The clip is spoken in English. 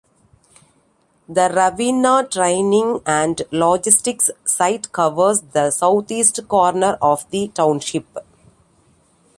The Ravenna Training and Logistics Site covers the southeast corner of the township.